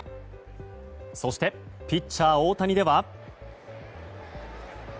そして、ピッチャー大谷では。